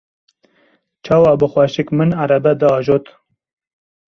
çawa bi xweşik min erebe diajot.